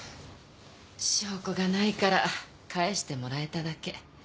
証拠がないから帰してもらえただけ。